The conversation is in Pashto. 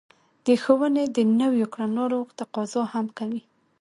د ښوونې د نويو کړنلارو تقاضا هم کوي.